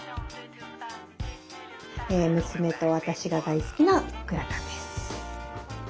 娘と私が大好きなグラタンです。